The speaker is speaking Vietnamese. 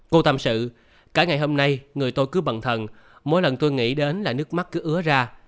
cô tâm sự cả ngày hôm nay người tôi cứ bận thần mỗi lần tôi nghĩ đến là nước mắt cứ ứa ra